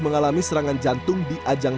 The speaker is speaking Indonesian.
mengalami serangan jantung di ajang